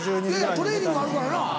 トレーニングあるからな。